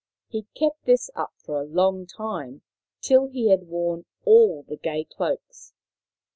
He kept this up for a long time, till he had worn all the gay cloaks.